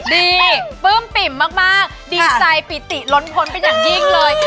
ปื้มปิ่มมากดีใจปิติล้นพ้นเป็นอย่างยิ่งเลย